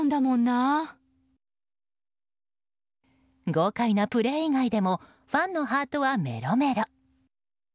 豪快なプレー以外でもファンのハートはメロメロ。